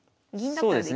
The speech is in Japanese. そうですね。